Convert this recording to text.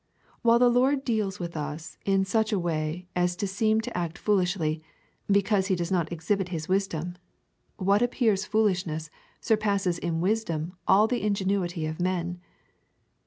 While the Lord deals with us in such a way as to seem to act foolishly, because he does not exhibit his wisdom, what appears foolishness surpasses in luisdom all the ingenuity of men.